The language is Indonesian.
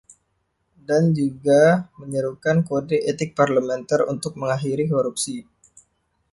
Dan juga menyerukan kode etik parlementer untuk mengakhiri korupsi.